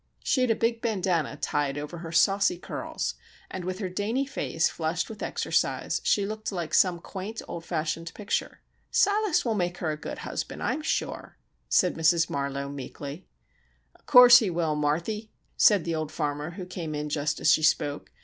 She had a big bandanna tied over her saucy curls, and with her dainty face flushed with exercise she looked like some quaint, old fashioned picture. "Silas will make her a good husband, I'm sure," said Mrs. Marlowe, meekly. "O' course he will, Marthy," said the old farmer, who came in just as she spoke.